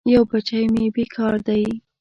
یو بچی مې پکار دی.